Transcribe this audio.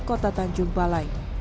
kota tanjung balai